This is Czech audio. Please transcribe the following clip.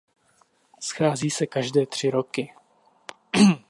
Schází se každé tři roky.